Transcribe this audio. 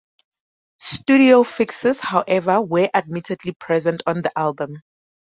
Studio fixes, however, were admittedly present on the album.